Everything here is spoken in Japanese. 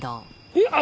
えっ？